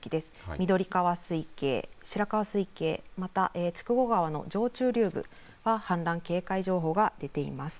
緑川水系、白川水系、また筑後川の上中流部、氾濫警戒情報が出ています。